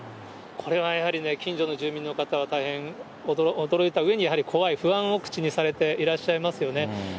これはやはりね、近所の住民の方、大変驚いたうえに、やはり怖い、不安を口にされていらっしゃいますよね。